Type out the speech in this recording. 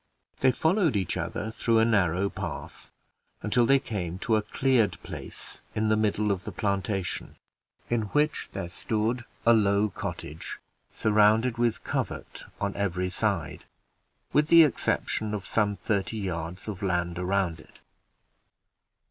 They followed each other through a narrow path, until they came to a cleared place in the middle of the plantation, in which there stood a low cottage, surrounded with covert on every side, with the exception of some thirty yards of land around it.